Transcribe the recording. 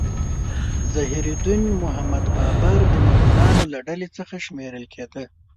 ظهیر الدین محمد بابر د مغولانو له ډلې څخه شمیرل کېده.